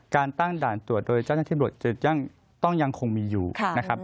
การตั้งด่านตรวจโดยเจ้าหน้าที่ตำรวจจะต้องยังคงมีอยู่นะครับ